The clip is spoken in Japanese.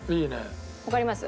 わかります？